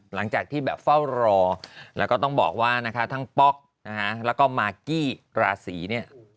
หลังจากที่แบบเฝ้ารอแล้วก็ต้องบอกว่านะคะทั้งป๊อกนะฮะแล้วก็มากกี้ราศีเนี่ย